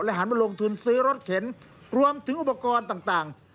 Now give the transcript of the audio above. หันมาลงทุนซื้อรถเข็นรวมถึงอุปกรณ์ต่าง